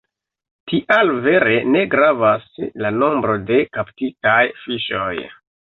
Tial vere ne gravas la nombro de kaptitaj fiŝoj.